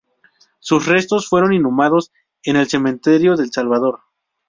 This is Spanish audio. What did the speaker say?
Sus restos fueron inhumados en el Cementerio del Salvador.